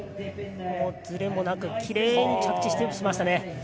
ずれもなくきれいに着地しましたね。